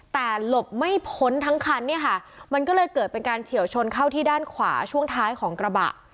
แต่หลบไม่พ้นทั้งคันเนี่ยค่ะมันก็เลยเกิดเป็นการเฉียวชนเข้าที่ด้านขวาช่วงท้ายของกระบะ